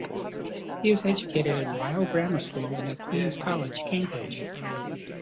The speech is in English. He was educated at Rhyl Grammar School and at Queens' College, Cambridge.